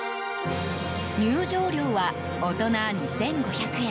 入場料は大人２５００円。